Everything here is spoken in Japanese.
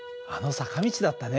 坂道だったね。